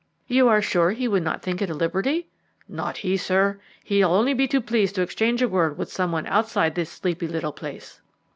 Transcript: "You are sure he would not think it a liberty?" "Not he, sir; he'll be only too pleased to exchange a word with some one outside this sleepy little place."